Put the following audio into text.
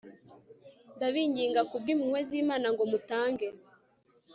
ndabinginga ku bw impuhwe z Imana ngo mutange